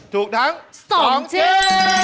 ถูกทั้ง๒ชื่อ